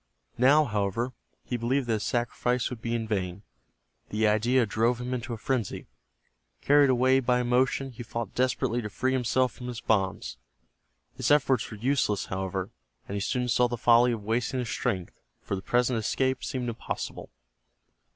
Now, however, he believed that his sacrifice would be in vain. The idea drove him into a frenzy. Carried away by emotion, he fought desperately to free himself from his bonds. His efforts were useless, however, and he soon saw the folly of wasting his strength, for the present escape seemed impossible.